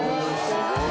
すごい！」